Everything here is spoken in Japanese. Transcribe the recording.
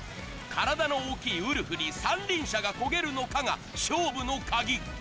体の大きいウルフに三輪車がこげるのかが勝負の鍵。